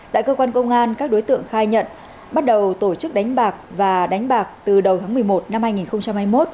tại cơ quan công an các đối tượng khai nhận bắt đầu tổ chức đánh bạc và đánh bạc từ đầu tháng một mươi một năm hai nghìn hai mươi một